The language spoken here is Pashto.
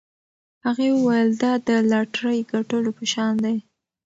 هغې وویل دا د لاټرۍ ګټلو په شان دی.